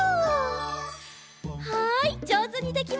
はいじょうずにできました。